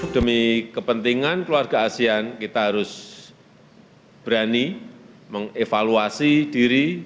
demi kepentingan keluarga asean kita harus berani mengevaluasi diri